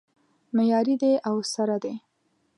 معیاري دی او سره دی